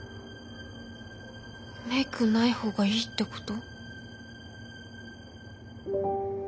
メイクない方がいいってこと？